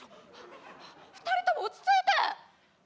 ２人とも落ち着いて。